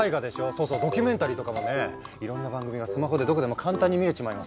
そうそうドキュメンタリーとかもねいろんな番組がスマホでどこでも簡単に見れちまいますよ。